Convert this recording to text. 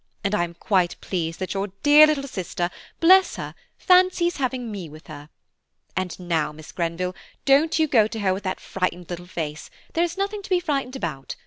and I am quite pleased that your dear little sister, bless her, fancies having me with her; and now, Miss Grenville, don't you go to her with that frightened face, there is nothing to be frightened about.